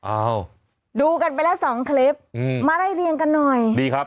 อ้าวดูกันไปแล้วสองคลิปอืมมาไล่เรียงกันหน่อยดีครับ